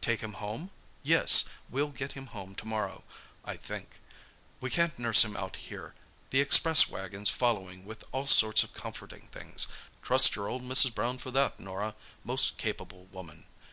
"Take him home? Yes, we'll get him home to morrow, I think. We can't nurse him out here. The express wagon's following with all sorts of comforting things. Trust your old Mrs. Brown for that, Norah. Most capable woman!